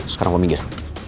sekarang gue mikir